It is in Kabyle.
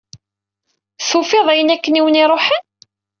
Tufiḍ ayen akken i awen-iruḥen?